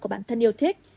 của bản thân yêu thích